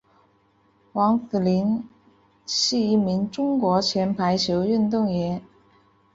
王子凌是一名中国前排球运动员。